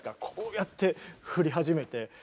こうやって振り始めて。